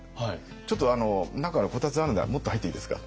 「ちょっと中にこたつあるのならもっと入っていいですか？」。